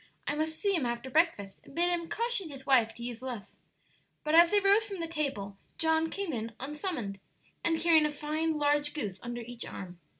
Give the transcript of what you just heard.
I must see him after breakfast and bid him caution his wife to use less." But as they rose from the table John came in unsummoned, and carrying a fine large goose under each arm.